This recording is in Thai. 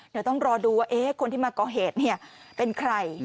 เดี๋ยวต้องรอดูว่าคนที่มาก่อเหตุเป็นใคร